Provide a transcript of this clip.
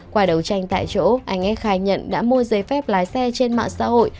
qua đấu tranh tại chỗ anh ad khai nhận đã mua giấy phép lái xe trên mạng xã hội